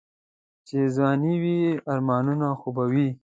چې ځواني وي آرمانونه خو به وي.